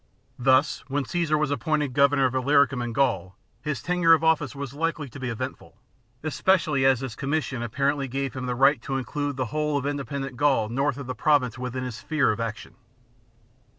Thus when Caesar was appointed Governor of lUyricum and Gaul his tenure of office was likely to be eventful, especially as his commission apparently gave him the right to include the whole of independent Gaul north of the Province within his sphere of action.